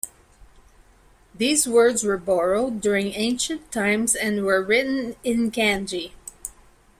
These words were borrowed during ancient times and are written in kanji.